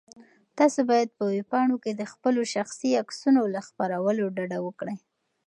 تاسو باید په ویبپاڼو کې د خپلو شخصي عکسونو له خپرولو ډډه وکړئ.